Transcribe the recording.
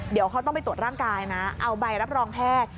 เดี๋ยวเขาต้องไปตรวจร่างกายนะเอาใบรับรองแพทย์